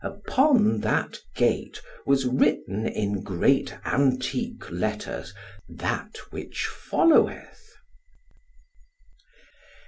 Upon that gate was written in great antique letters that which followeth.